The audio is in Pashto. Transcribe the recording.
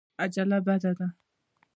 عجله بده ده.